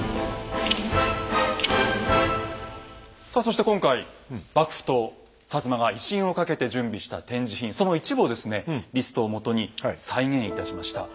さあそして今回幕府と摩が威信をかけて準備した展示品その一部をですねリストをもとに再現いたしました。